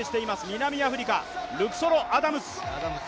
南アフリカ、ルクソロ・アダムス。